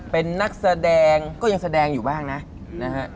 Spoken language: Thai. เป็นนักแสดงก็ยังแสดงอยู่บ้างนะนะฮะ